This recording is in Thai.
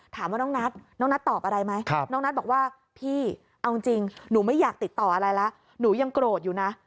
น้องนัทน้องนัทตอบอะไรไหมน้องนัทบอกว่าพี่เอาจริงหนูไม่อยากติดต่ออะไรแล้วหนูยังโกรธอยู่นะ